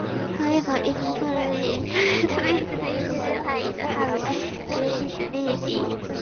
However, even purely internet-based identities have credibility.